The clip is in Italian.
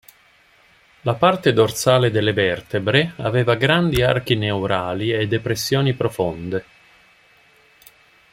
La parte dorsale delle vertebre aveva grandi archi neurali e depressioni profonde.